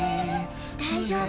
大丈夫。